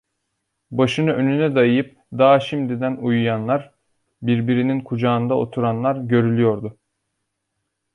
Başını önüne dayayıp daha şimdiden uyuyanlar, birbirinin kucağında oturanlar görülüyordu.